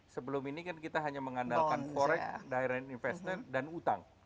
sebelum ini kan kita hanya mengandalkan forex dirent investor dan utang